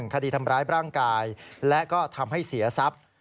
คดีทำร้ายร่างกายและก็ทำให้เสียทรัพย์